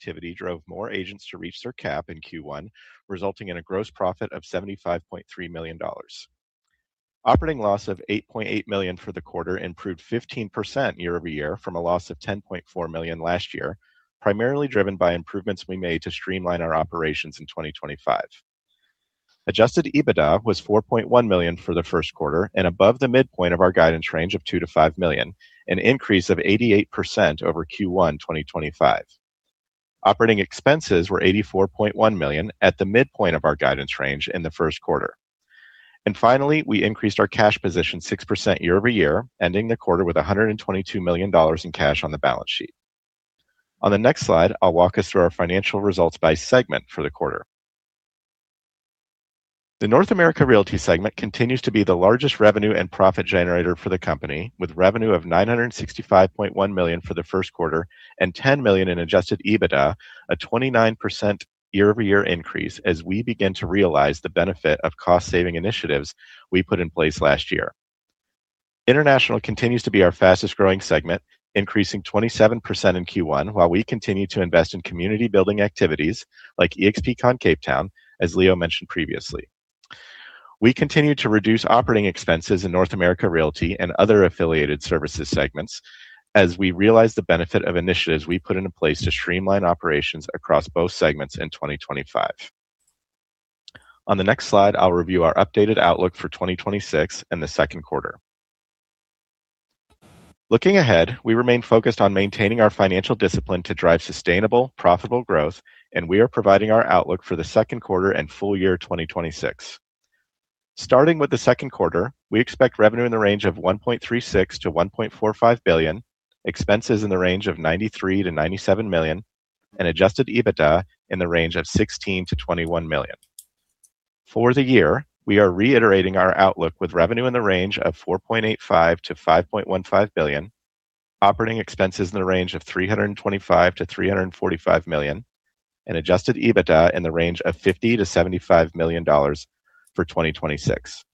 Activity drove more agents to reach their cap in Q1, resulting in a gross profit of $75.3 million. Operating loss of $8.8 million for the quarter improved 15% year-over-year from a loss of $10.4 million last year, primarily driven by improvements we made to streamline our operations in 2025. Adjusted EBITDA was $4.1 million for the first quarter and above the midpoint of our guidance range of $2 million-$5 million, an increase of 88% over Q1 2025. Operating expenses were $84.1 million at the midpoint of our guidance range in the first quarter. Finally, we increased our cash position 6% year-over-year, ending the quarter with $122 million in cash on the balance sheet. On the next slide, I'll walk us through our financial results by segment for the quarter. The North America Realty segment continues to be the largest revenue and profit generator for the company, with revenue of $965.1 million for the first quarter and $10 million in Adjusted EBITDA, a 29% year-over-year increase as we begin to realize the benefit of cost saving initiatives we put in place last year. International continues to be our fastest growing segment, increasing 27% in Q1 while we continue to invest in community building activities like eXpcon Cape Town, as Leo mentioned previously. We continue to reduce operating expenses in North America Realty and other affiliated services segments as we realize the benefit of initiatives we put into place to streamline operations across both segments in 2025. On the next slide, I'll review our updated outlook for 2026 and the second quarter. Looking ahead, we remain focused on maintaining our financial discipline to drive sustainable, profitable growth. We are providing our outlook for the second quarter and full year 2026. Starting with the second quarter, we expect revenue in the range of $1.36 billion-$1.45 billion, expenses in the range of $93 million-$97 million, and Adjusted EBITDA in the range of $16 million-$21 million. For the year, we are reiterating our outlook with revenue in the range of $4.85 billion-$5.15 billion, operating expenses in the range of $325 million-$345 million, and Adjusted EBITDA in the range of $50 million-$75 million for 2026.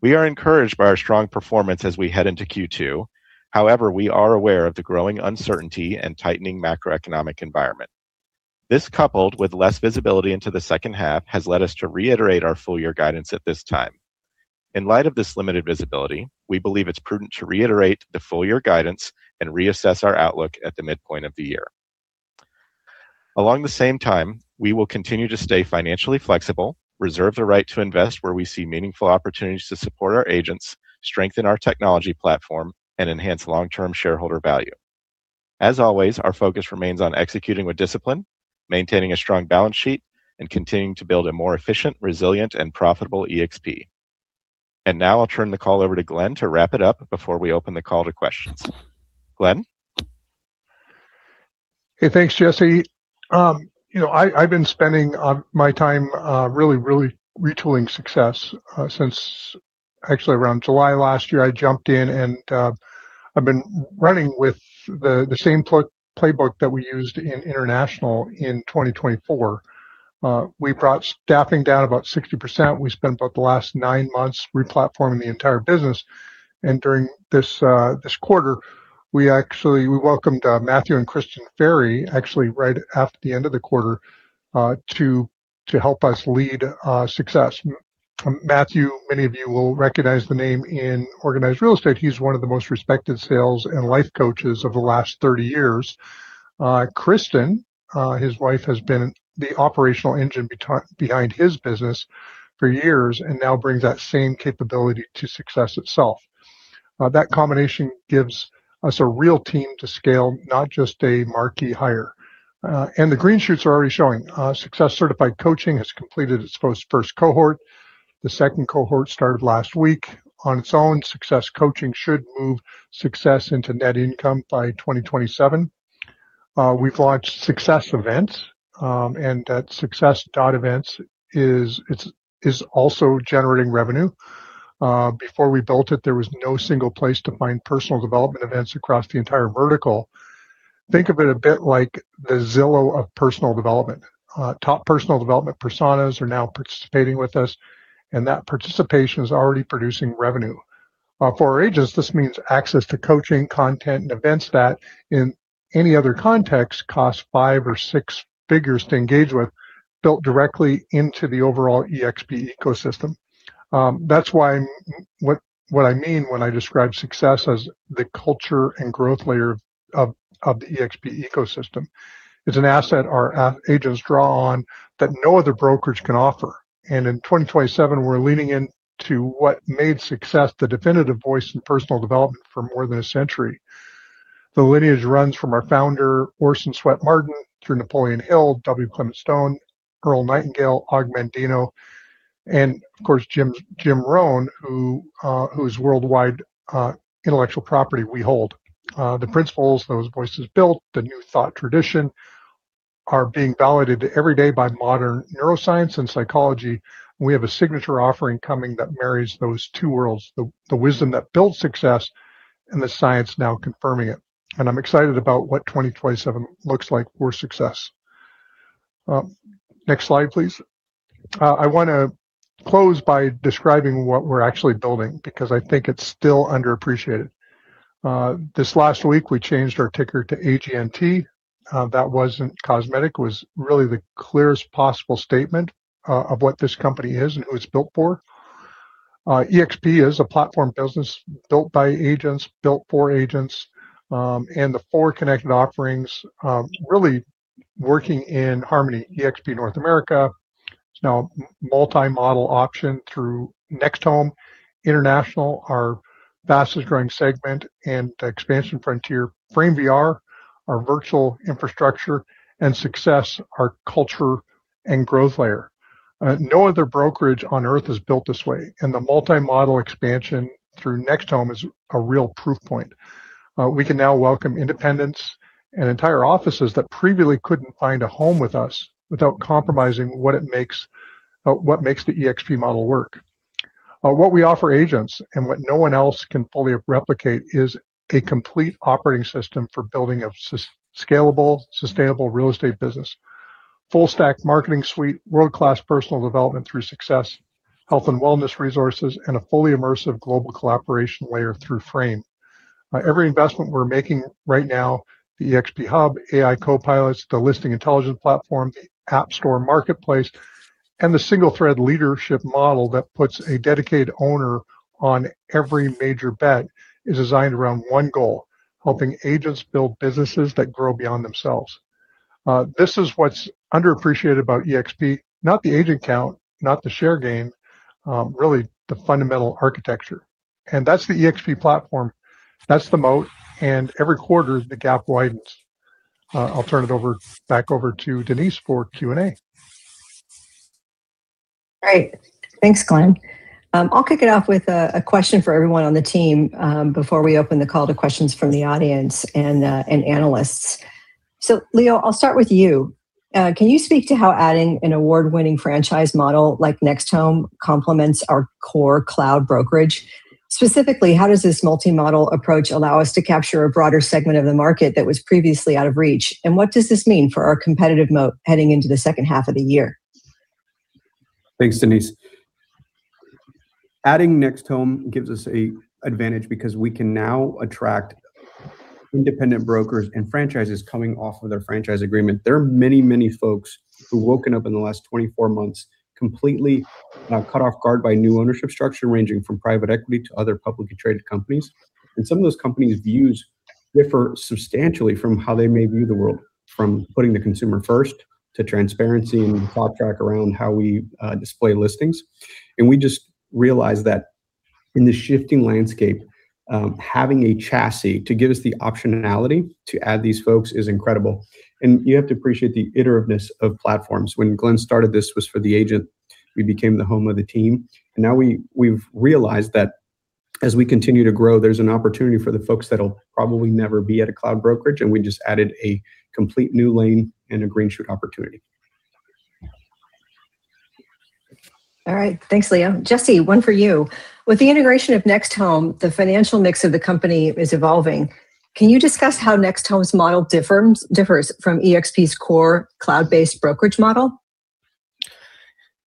We are encouraged by our strong performance as we head into Q2. However, we are aware of the growing uncertainty and tightening macroeconomic environment. This, coupled with less visibility into the second half, has led us to reiterate our full year guidance at this time. In light of this limited visibility, we believe it's prudent to reiterate the full year guidance and reassess our outlook at the midpoint of the year. Along the same time, we will continue to stay financially flexible, reserve the right to invest where we see meaningful opportunities to support our agents, strengthen our technology platform and enhance long-term shareholder value. As always, our focus remains on executing with discipline, maintaining a strong balance sheet, and continuing to build a more efficient, resilient and profitable eXp. Now I'll turn the call over to Glenn to wrap it up before we open the call to questions. Glenn? Thanks, Jesse. You know, I've been spending my time really retooling SUCCESS since actually around July last year. I jumped in and I've been running with the same playbook that we used in international in 2024. We brought staffing down about 60%. We spent about the last nine months re-platforming the entire business, and during this quarter, we actually welcomed Matthew and Kristen Ferry right at the end of the quarter to help us lead SUCCESS. Matthew, many of you will recognize the name in organized real estate. He's one of the most respected sales and life coaches of the last 30 years. Kristen, his wife, has been the operational engine behind his business for years and now brings that same capability to SUCCESS itself. That combination gives us a real team to scale, not just a marquee hire. The green shoots are already showing. SUCCESS Certified Coaching has completed its first cohort. The second cohort started last week. On its own, SUCCESS Coaching should move SUCCESS into net income by 2027. We've launched SUCCESS Events, and that success.events is also generating revenue. Before we built it, there was no single place to find personal development events across the entire vertical. Think of it a bit like the Zillow of personal development. Top personal development personas are now participating with us, and that participation is already producing revenue. For our agents, this means access to coaching content and events that in any other context cost five or six figures to engage with built directly into the overall eXp ecosystem. That's why what I mean when I describe SUCCESS as the culture and growth layer of the eXp ecosystem. It's an asset our agents draw on that no other brokerage can offer. In 2027, we're leaning into what made SUCCESS the definitive voice in personal development for more than a century. The lineage runs from our Founder, Orison Swett Marden, through Napoleon Hill, W. Clement Stone, Earl Nightingale, Og Mandino, and of course, Jim Rohn, whose worldwide intellectual property we hold. The principles those voices built, the new thought tradition, are being validated every day by modern neuroscience and psychology. We have a signature offering coming that marries those two worlds, the wisdom that built SUCCESS and the science now confirming it. I'm excited about what 2027 looks like for SUCCESS. Next slide, please. I wanna close by describing what we're actually building because I think it's still underappreciated. This last week we changed our ticker to AGNT. That wasn't cosmetic. It was really the clearest possible statement of what this company is and who it's built for. eXp is a platform business built by agents, built for agents. The four connected offerings really working in harmony. eXp North America is now multi-model option through NextHome. International, our fastest growing segment and expansion frontier. FrameVR, our virtual infrastructure, and SUCCESS, our culture and growth layer. No other brokerage on earth is built this way, and the multi-model expansion through NextHome is a real proof point. We can now welcome independents and entire offices that previously couldn't find a home with us without compromising what makes the eXp model work. What we offer agents and what no one else can fully replicate is a complete operating system for building a scalable, sustainable real estate business. Full stack marketing suite, world-class personal development through SUCCESS, health and wellness resources, and a fully immersive global collaboration layer through Frame. Every investment we're making right now, the eXp Hub, AI copilots, the listing intelligence platform, the App Store Marketplace, and the single thread leadership model that puts a dedicated owner on every major bet, is designed around one goal: helping agents build businesses that grow beyond themselves. This is what's underappreciated about eXp, not the agent count, not the share gain, really the fundamental architecture. That's the eXp platform. That's the moat, and every quarter the gap widens. I'll turn it over, back over to Denise for Q&A. Great. Thanks, Glenn. I'll kick it off with a question for everyone on the team before we open the call to questions from the audience and analysts. Leo, I'll start with you. Can you speak to how adding an award-winning franchise model like NextHome complements our core cloud brokerage? Specifically, how does this multi-model approach allow us to capture a broader segment of the market that was previously out of reach? What does this mean for our competitive moat heading into the second half of the year? Thanks, Denise. Adding NextHome gives us a advantage because we can now attract independent brokers and franchises coming off of their franchise agreement. There are many folks who've woken up in the last 24 months completely caught off guard by new ownership structure, ranging from private equity to other publicly traded companies. Some of those companies' views differ substantially from how they may view the world, from putting the consumer first, to transparency and thought track around how we display listings. We just realize that in the shifting landscape, having a chassis to give us the optionality to add these folks is incredible. You have to appreciate the iterativeness of platforms. When Glenn started, this was for the agent. We became the home of the team. Now we've realized that as we continue to grow, there's an opportunity for the folks that'll probably never be at a cloud brokerage, and we just added a complete new lane and a green shoot opportunity. All right. Thanks, Leo. Jesse, one for you. With the integration of NextHome, the financial mix of the company is evolving. Can you discuss how NextHome's model differs from eXp's core cloud-based brokerage model?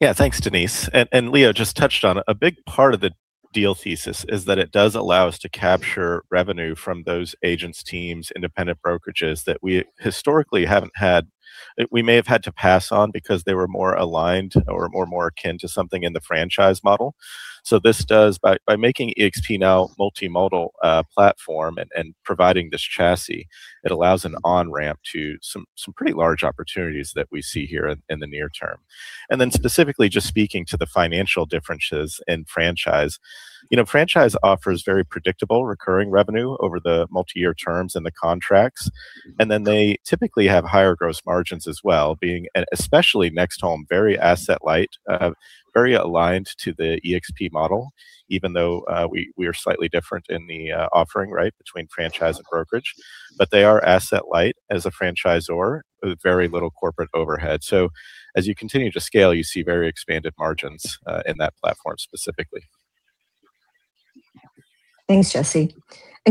Yeah. Thanks, Denise. Leo just touched on a big part of the deal thesis is that it does allow us to capture revenue from those agents, teams, independent brokerages that we historically haven't had to pass on because they were more akin to something in the franchise model. This does by making eXp now a multi-model platform and providing this chassis, it allows an on-ramp to some pretty large opportunities that we see here in the near term. Specifically just speaking to the financial differences in franchise, you know, franchise offers very predictable recurring revenue over the multi-year terms and the contracts. They typically have higher gross margins as well, being, and especially NextHome, very asset light, very aligned to the eXp model, even though we are slightly different in the offering, right, between franchise and brokerage. They are asset light as a franchisor with very little corporate overhead. As you continue to scale, you see very expanded margins in that platform specifically. Thanks, Jesse.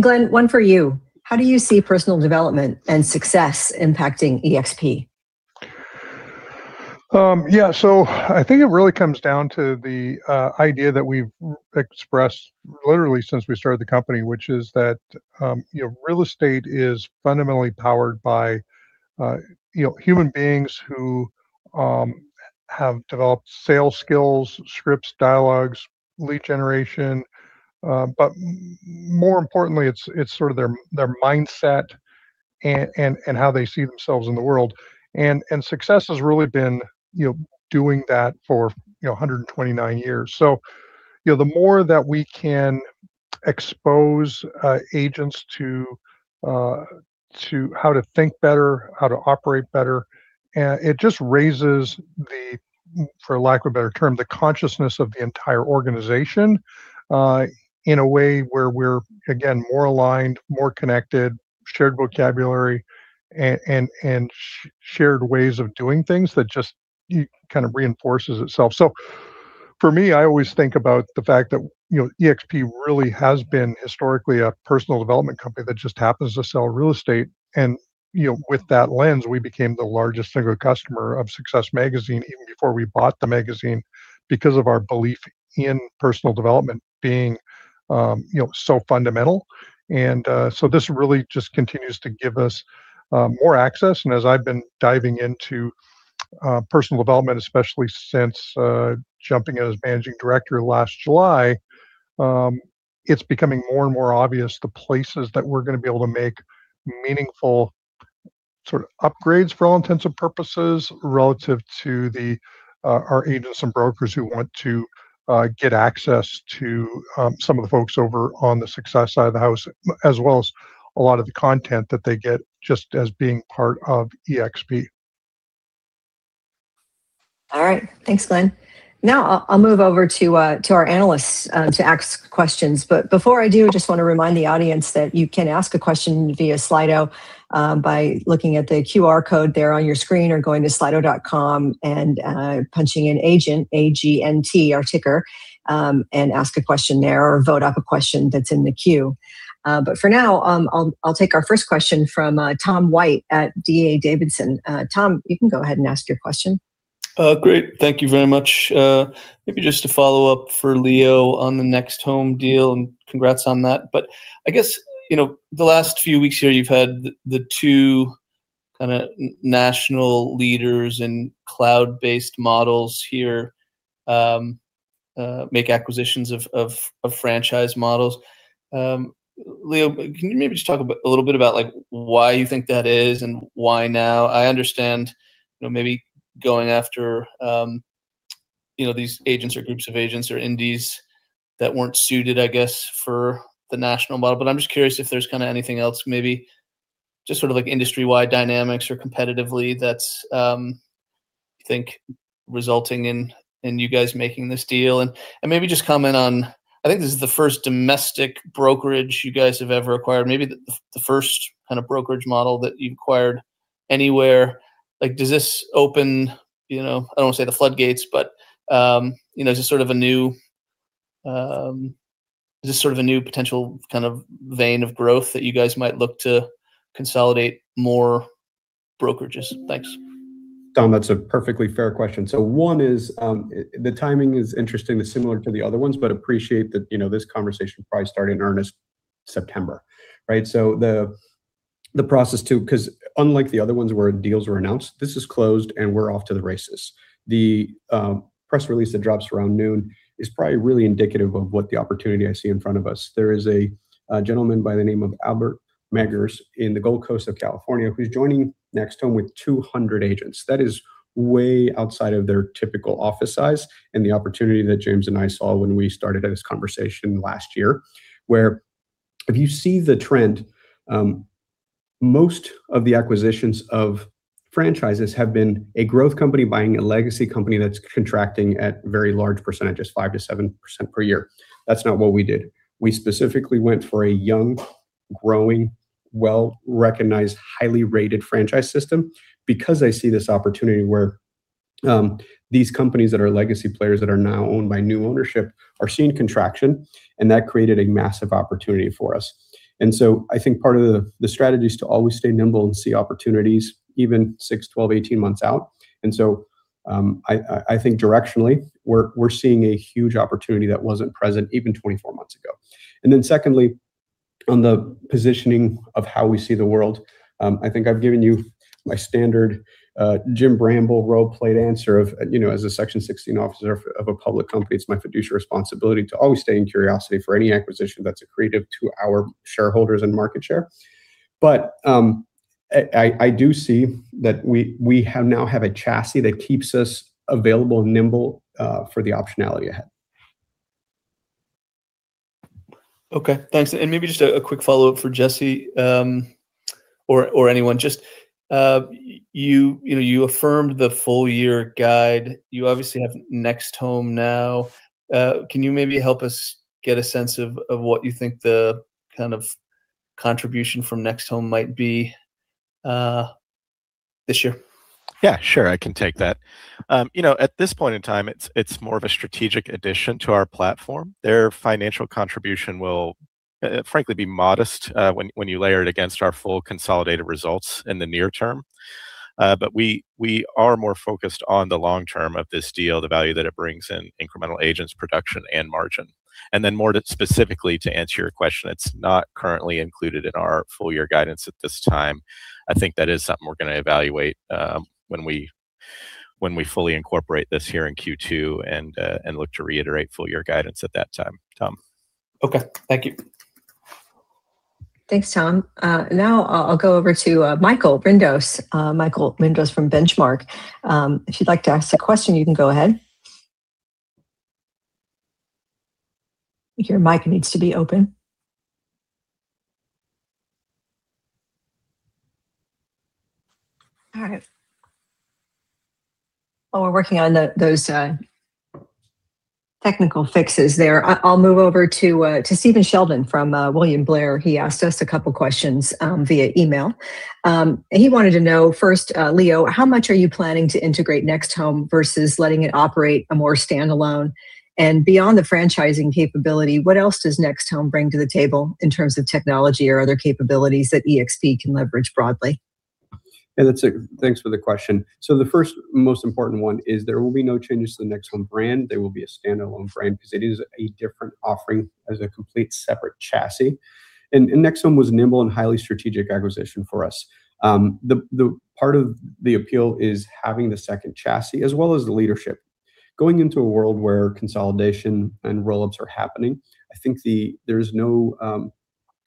Glenn, one for you. How do you see personal development and success impacting eXp? Yeah, I think it really comes down to the idea that we've expressed literally since we started the company, which is that, you know, real estate is fundamentally powered by, you know, human beings who have developed sales skills, scripts, dialogues, lead generation. More importantly, it's sort of their mindset and how they see themselves in the world. SUCCESS has really been, you know, doing that for, you know, 129 years. You know, the more that we can expose agents to how to think better, how to operate better, it just raises the, for lack of a better term, the consciousness of the entire organization, in a way where we're, again, more aligned, more connected, shared vocabulary and shared ways of doing things that just kind of reinforces itself. For me, I always think about the fact that, you know, eXp really has been historically a personal development company that just happens to sell real estate. You know, with that lens, we became the largest single customer of SUCCESS magazine even before we bought the magazine because of our belief in personal development being, you know, so fundamental. This really just continues to give us more access. As I've been diving into personal development, especially since jumping in as managing director last July, it's becoming more and more obvious the places that we're going to be able to make meaningful sort of upgrades for all intents and purposes relative to our agents and brokers who want to get access to some of the folks over on the SUCCESS side of the house, as well as a lot of the content that they get just as being part of eXp. All right. Thanks, Glenn. I'll move over to our analysts to ask questions. Before I do, just wanna remind the audience that you can ask a question via Slido by looking at the QR code there on your screen or going to slido.com and punching in AGNT, our ticker, and ask a question there or vote up a question that's in the queue. For now, I'll take our first question from Tom White at D.A. Davidson. Tom, you can go ahead and ask your question. Great. Thank you very much. Maybe just a follow-up for Leo on the NextHome deal, and congrats on that. I guess, you know, the last few weeks here you've had the two kinda national leaders in cloud-based models here make acquisitions of franchise models. Leo, can you maybe just talk a little bit about, like, why you think that is and why now? I understand, you know, maybe going after, you know, these agents or groups of agents or indies that weren't suited, I guess, for the national model. I'm just curious if there's kind of anything else, maybe just sort of like industry-wide dynamics or competitively that's resulting in you guys making this deal. Maybe just comment on, I think this is the first domestic brokerage you guys have ever acquired. Maybe the first kind of brokerage model that you acquired anywhere. Like, does this open, you know, I don't wanna say the floodgates, but, you know, just sort of a new potential kind of vein of growth that you guys might look to consolidate more brokerages? Thanks. Tom, that's a perfectly fair question. One is, the timing is interesting. It's similar to the other ones, but appreciate that, you know, this conversation probably started in earnest September, right? The, the process too, 'cause unlike the other ones where deals were announced, this is closed, and we're off to the races. The press release that drops around noon is probably really indicative of what the opportunity I see in front of us. There is a gentleman by the name of Albert Maggers in the Gold Coast of California who's joining NextHome with 200 agents. That is way outside of their typical office size and the opportunity that James and I saw when we started this conversation last year, where if you see the trend, most of the acquisitions of franchises have been a growth company buying a legacy company that's contracting at very large percentages, 5%-7% per year. That's not what we did. We specifically went for a young, growing, well-recognized, highly rated franchise system because I see this opportunity where these companies that are legacy players that are now owned by new ownership are seeing contraction, and that created a massive opportunity for us. I think part of the strategy is to always stay nimble and see opportunities even six, 12, 18 months out. I think directionally we're seeing a huge opportunity that wasn't present even 24 months ago. Secondly, on the positioning of how we see the world, I think I've given you my standard, Jim Bramble role play answer of, you know, as a Section 16 Officer of a public company, it's my fiduciary responsibility to always stay in curiosity for any acquisition that's accretive to our shareholders and market share. I do see that we have now have a chassis that keeps us available and nimble, for the optionality ahead. Okay. Thanks. Maybe just a quick follow-up for Jesse, or anyone. You know, you affirmed the full year guide. You obviously have NextHome now. Can you maybe help us get a sense of what you think the kind of contribution from NextHome might be this year? Yeah, sure. I can take that. You know, at this point in time, it's more of a strategic addition to our platform. Their financial contribution will, frankly be modest, when you layer it against our full consolidated results in the near term. We are more focused on the long term of this deal, the value that it brings in incremental agents, production, and margin. More to specifically to answer your question, it's not currently included in our full year guidance at this time. I think that is something we're gonna evaluate, when we fully incorporate this here in Q2 and look to reiterate full year guidance at that time, Tom. Okay. Thank you. Thanks, Tom. Now I'll go over to Michael Rindos. Michael Rindos from Benchmark. If you'd like to ask a question, you can go ahead. I think your mic needs to be open. All right. While we're working on those technical fixes there, I'll move over to Stephen Sheldon from William Blair. He asked us a couple questions via email. He wanted to know, first, Leo, how much are you planning to integrate NextHome versus letting it operate a more standalone? Beyond the franchising capability, what else does NextHome bring to the table in terms of technology or other capabilities that eXp can leverage broadly? Yeah, that's a thanks for the question. The first most important one is there will be no changes to the NextHome brand. They will be a standalone frame because it is a different offering as a complete separate chassis. NextHome was nimble and highly strategic acquisition for us. The part of the appeal is having the second chassis as well as the leadership. Going into a world where consolidation and roll-ups are happening, I think there's no,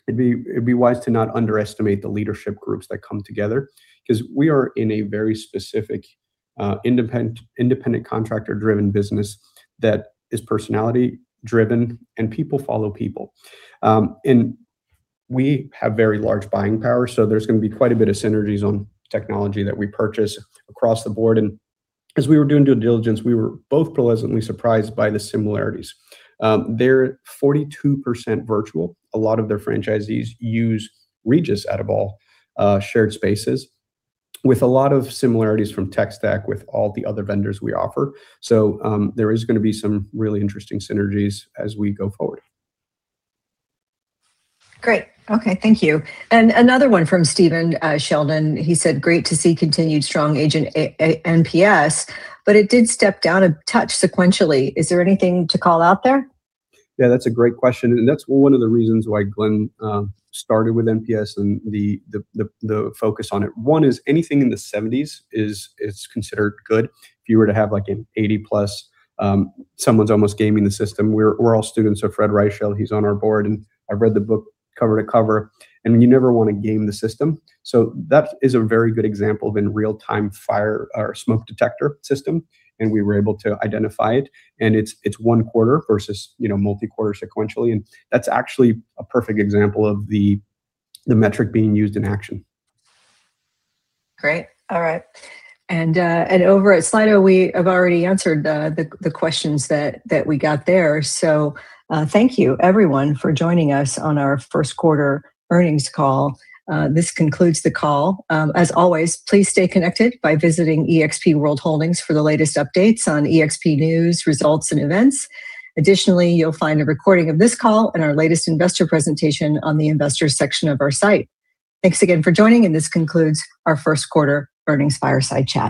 it'd be wise to not underestimate the leadership groups that come together, 'cause we are in a very specific, independent contractor-driven business that is personality-driven, and people follow people. We have very large buying power, so there's gonna be quite a bit of synergies on technology that we purchase across the board. As we were doing due diligence, we were both pleasantly surprised by the similarities. They're 42% virtual. A lot of their franchisees use Regus out of all shared spaces, with a lot of similarities from tech stack with all the other vendors we offer. There is gonna be some really interesting synergies as we go forward. Great. Okay. Thank you. Another one from Stephen Sheldon. He said, "Great to see continued strong agent NPS, but it did step down a touch sequentially. Is there anything to call out there?" That's a great question, and that's one of the reasons why Glenn started with NPS and the focus on it. One is anything in the 70s is considered good. If you were to have, like, an 80+, someone's almost gaming the system. We're all students of Fred Reichheld. He's on our Board, and I've read the book cover to cover, and you never wanna game the system. That is a very good example of in real-time fire or smoke detector system, and we were able to identify it, and it's one quarter versus, you know, multi-quarter sequentially, and that's actually a perfect example of the metric being used in action. Great. All right. Over at Slido, we have already answered the questions that we got there. Thank you everyone for joining us on our first quarter earnings call. This concludes the call. As always, please stay connected by visiting eXp World Holdings for the latest updates on eXp news, results, and events. Additionally, you'll find a recording of this call and our latest investor presentation on the investor section of our site. Thanks again for joining. This concludes our first quarter earnings fireside chat.